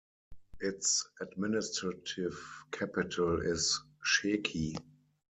Its administrative capital is Sheki.